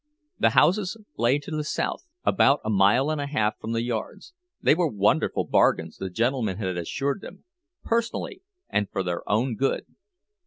The houses lay to the south, about a mile and a half from the yards; they were wonderful bargains, the gentleman had assured them—personally, and for their own good.